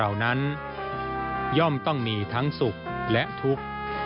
เหล่านั้นย่อมต้องมีทั้งสุขและทุกข์